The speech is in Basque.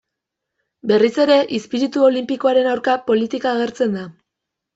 Berriz ere izpiritu olinpikoaren aurka, politika agertzen da.